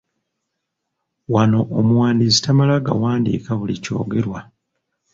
Wano omuwandiisi tamala gawandiika buli kyogerwa.